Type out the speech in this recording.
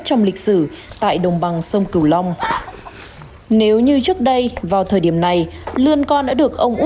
trong lịch sử tại đồng bằng sông cửu long nếu như trước đây vào thời điểm này lươn con đã được ông